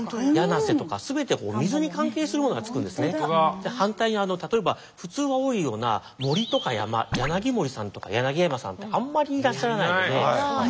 じゃ反対に例えば普通は多いような森とか山柳森さんとか柳山さんってあんまりいらっしゃらないので。